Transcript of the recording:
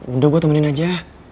udah gue temenin aja